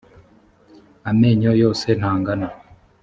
amenyo yose ntangana.